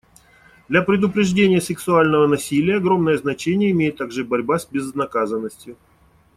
Для предупреждения сексуального насилия огромное значение имеет также борьба с безнаказанностью.